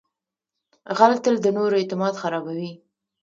غل تل د نورو اعتماد خرابوي